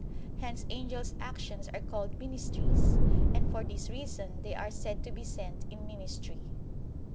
Hence angels' actions are called "ministries"; and for this reason they are said to be sent in ministry.